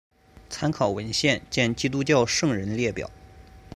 参考文献见基督教圣人列表。